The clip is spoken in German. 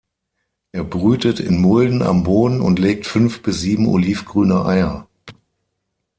Er brütet in Mulden am Boden und legt fünf bis sieben olivgrüne Eier.